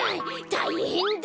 たいへんだ！